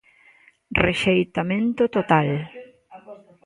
Rexeitamento total.